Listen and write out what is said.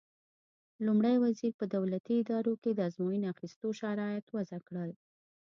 لومړي وزیر په دولتي ادارو کې د ازموینې اخیستو شرایط وضع کړل.